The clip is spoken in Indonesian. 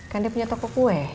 kan dia punya toko kue